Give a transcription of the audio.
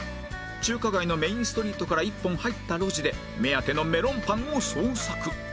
中華街のメインストリートから１本入った路地で目当てのメロンパンを捜索